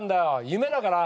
夢だから。